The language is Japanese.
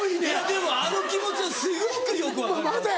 でもあの気持ちはすごくよく分かる。